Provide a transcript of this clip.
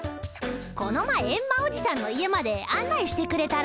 この前エンマおじさんの家まで案内してくれたろ？